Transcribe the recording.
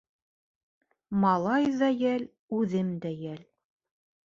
Малай ҙа йәл, үҙем дә йәл.